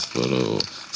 sepuluh tambah lima